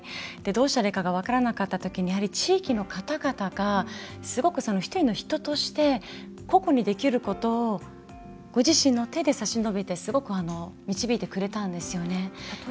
どうしたらいいかが分からなかった時にやはり地域の方々がすごく１人の人として個々にできることをご自身の手で差し伸べてすごく導いてくれたんですよね。